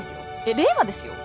えっ令和ですよ？